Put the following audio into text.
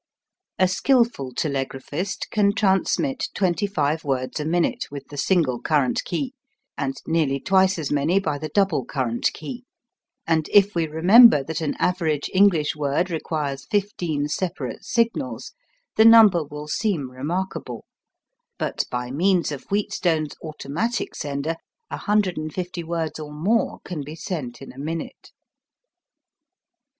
A skilful telegraphist can transmit twenty five words a minute with the single current key, and nearly twice as many by the double current key, and if we remember that an average English word requires fifteen separate signals, the number will seem remarkable; but by means of Wheatstone's automatic sender 150 words or more can be sent in a minute.